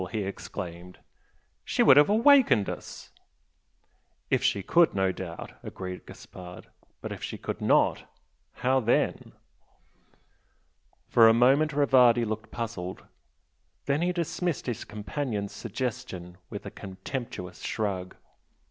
he exclaimed "She would have awakened us!" "If she could, no doubt!" agreed Gaspard "But if she could not, how then?" For a moment Rivardi looked puzzled, then he dismissed his companion's suggestion with a contemptuous shrug.